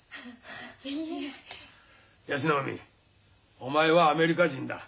お前はアメリカ人だ。